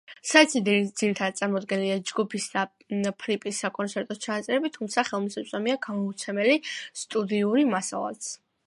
საიტზე ძირითადად წარმოდგენილია ჯგუფის და ფრიპის საკონცერტო ჩანაწერები, თუმცა ხელმისაწვდომია გამოუცემელი სტუდიური მასალაც.